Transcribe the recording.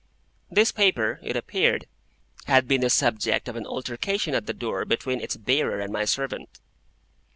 This paper, it appeared, had been the subject of an altercation at the door between its bearer and my servant.